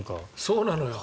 そうなのよ。